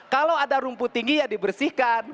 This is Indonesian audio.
kalau ada rumput tinggi ya dibersihkan